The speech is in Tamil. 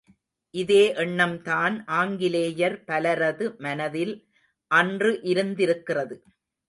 இதே எண்ணம்தான் ஆங்கிலேயர் பலரது மனதில் அன்று இருந்திருக்கிறது.